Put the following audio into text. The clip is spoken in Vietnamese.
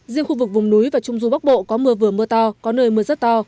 riêng khu vực vùng núi và trung du bắc bộ có mưa vừa mưa to có nơi mưa rất to